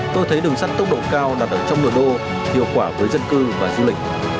tốc độ cao đặt ở trong nội đô hiệu quả với dân cư và du lịch